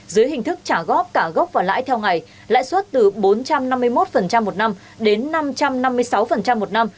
dưới hình thức trả góp cả gốc và lãi theo ngày lãi suất từ bốn trăm năm mươi một một năm đến năm trăm năm mươi sáu một năm